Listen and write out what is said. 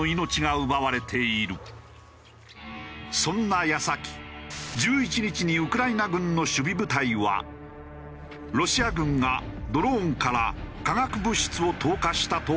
そんな矢先１１日にウクライナ軍の守備部隊はロシア軍がドローンから化学物質を投下したと報告。